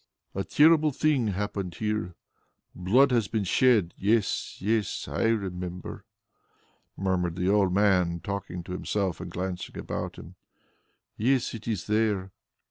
"A terrible thing happened here. Blood has been shed, yes, yes, I remember," murmured the old man, talking to himself and glancing about him. "Yes, it is there.